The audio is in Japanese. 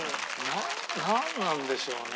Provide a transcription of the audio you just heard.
なんなんでしょうね。